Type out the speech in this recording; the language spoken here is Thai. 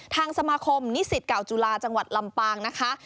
ทางสมาคมนิสิตเก่าจุฬาจังหวัดลำปางนะคะ